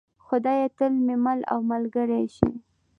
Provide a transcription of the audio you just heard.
خدایه ته مې مل او ملګری شې.